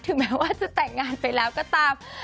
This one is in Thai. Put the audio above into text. แม้ว่าจะแต่งงานไปแล้วก็ตาม